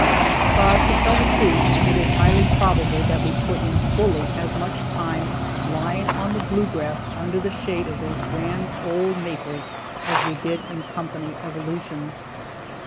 But, to tell the truth, it is highly probable that we put in fully as much time lying on the blue grass under the shade of those grand old maples as we did in company evolutions.